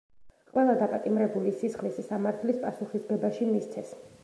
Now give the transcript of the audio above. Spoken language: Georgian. ყველა დაპატიმრებული სისხლის სამართლის პასუხისგებაში მისცეს.